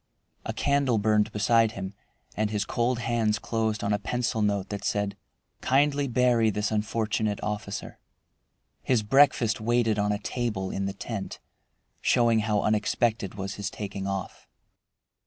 A candle burned beside him, and his cold hands closed on a pencil note that said, "Kindly bury this unfortunate officer." His breakfast waited on a table in the tent, showing how unexpected was his taking off.